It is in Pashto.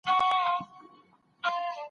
طبري ډیر کتابونه لیکلي دي.